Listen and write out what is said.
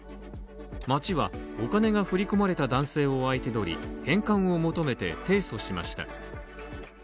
町はお金が振り込まれた男性を相手取り返還を求めて提訴しました。